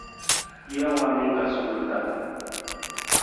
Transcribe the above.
Jee wanung ka sukul taa.